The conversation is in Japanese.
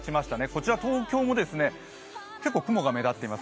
こちら東京も結構雲が目立っています。